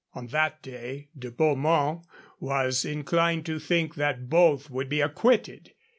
On that day De Beaumont was inclined to think that both would be acquitted.